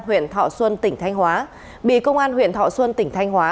huyện thọ xuân tỉnh thanh hóa bị công an huyện thọ xuân tỉnh thanh hóa